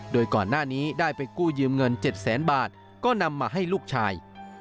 โดยก่อนหน้านี้ได้ไปกู้ยืมเงิน๗แสนบาทก็นำมาให้ลูกชาย